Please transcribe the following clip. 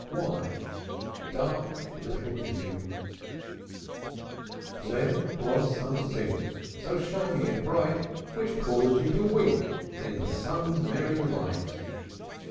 y! Dark little yew! Z Z was some zinc, So shiny and bright, Which caused you to wink In the sun's merry light.